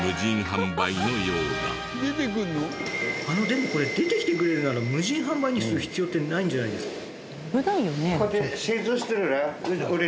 でもこれ出てきてくれるなら無人販売にする必要ってないんじゃないですか？